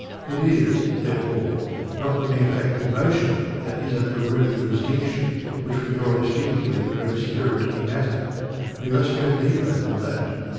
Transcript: It is, therefore, not the mere fact of motion that is at the root of the distinction which we draw instinctively between spirit and matter; we must go deeper than that.